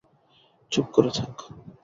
চুপ করে থাক!